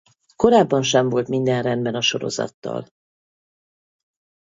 Korábban sem volt minden rendben a sorozattal.